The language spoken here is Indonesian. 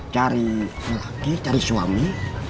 cari laki laki cari suami